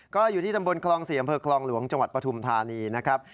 ก็อยู่ที่ตำบลคลอง๔อำเภอคลองหลวงจังหวัดปฐุมธานีนะครับ